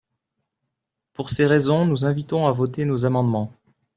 Pour ces raisons, nous invitons à voter nos amendements.